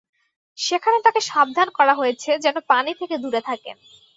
সেখানে তাঁকে সাবধান করা হয়েছে, যেন পানি থেকে দূরে থাকেন।